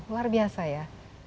luar biasa ya